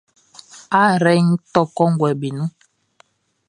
Ayrɛʼn tɔ kɔnguɛʼm be nun.